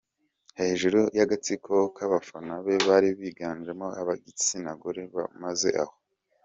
hejuru yagatsiko kabafana be bari biganjemo abigitsinagore maze aho.